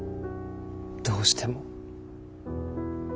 どうしても。